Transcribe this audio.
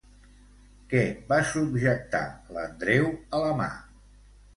Què va subjectar l'Andreu a la mà?